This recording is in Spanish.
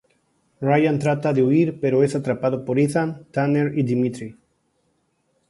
Ryan trata de huir pero es atrapado por Ethan, Tanner y Dimitri.